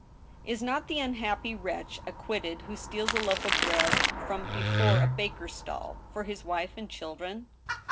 Is not the unhappy wretch acquitted who steals a loaf of bread from before a baker's stall for his wife and children